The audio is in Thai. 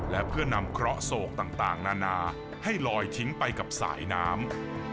และเพื่อนำเคราะห์โศกต่างนานาให้ลอยทิ้งไปกับสายน้ำ